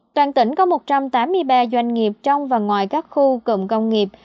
toàn tỉnh có một trăm tám mươi ba doanh nghiệp trong và ngoài các khu cụm công nghiệp